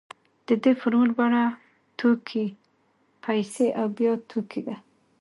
د دې فورمول بڼه توکي پیسې او بیا توکي ده